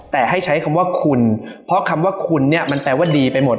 แต่ให้ใช้คำว่าคุณเพราะคำว่าคุณเนี่ยมันแปลว่าดีไปหมด